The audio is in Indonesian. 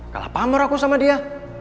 kalah pamer aku sama dia